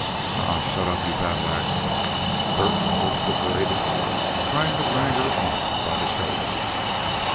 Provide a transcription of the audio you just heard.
"Aw, shut up, you battleax!" Bert vociferated, trying to drag her off by the shoulders.